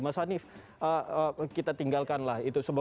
mas hanif kita tinggalkanlah itu